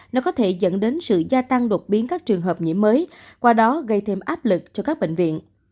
nó có thể dẫn đến sự gia tăng đột biến các trường hợp nhiễm mới qua đó gây thêm áp lực cho các bệnh viện